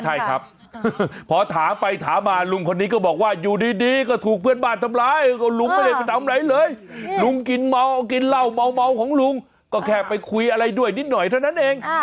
ใช่ครับพอถามไปถามมาลุงคนนี้ก็บอกว่าอยู่ดีก็ถูกเพื่อนบ้านทำร้ายก็ลุงไม่ได้ไปทำอะไรเลยลุงกินเมากินเหล้าเมาของลุงก็แค่ไปคุยอะไรด้วยนิดหน่อยเท่านั้นเอง